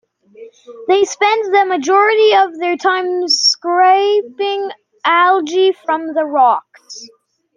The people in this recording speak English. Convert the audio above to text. They spend the majority of their time scraping algae from the rocks.